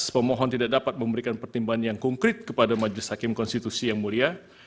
pemohon tidak dapat memberikan pertimbangan yang konkret kepada majelis hakim konstitusi yang mulia